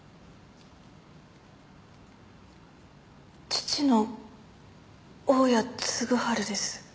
父の大屋嗣治です。